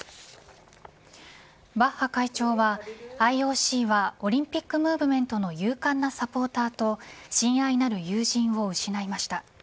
バッハ会長はＩＯＣはオリンピック・ムーブメントの勇敢なサポーターと親愛なる友人を失いました。